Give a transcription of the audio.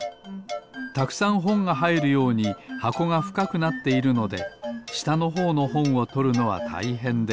たくさんほんがはいるようにはこがふかくなっているのでしたのほうのほんをとるのはたいへんです。